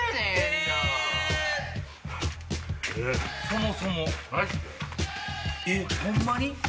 そもそもえっホンマに？